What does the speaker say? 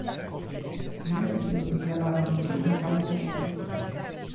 I medici lo dichiararono "clinicamente morto".